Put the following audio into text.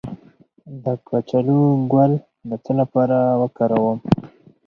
د کچالو ګل د څه لپاره وکاروم؟